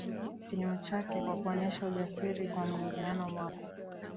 Kinyume chake kwa kuonyesha ujasiri kwa mwingiliano wako